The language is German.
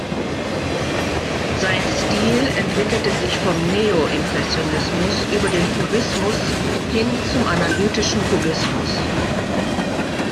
Sein Stil entwickelte sich vom Neoimpressionismus über den Fauvismus hin zum analytischen Kubismus.